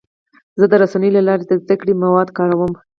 زه د رسنیو له لارې د زده کړې مواد کاروم.